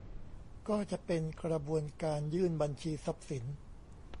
ก็จะเป็นกระบวนการยื่นบัญชีทรัพย์สิน